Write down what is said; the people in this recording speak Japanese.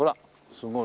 すごい。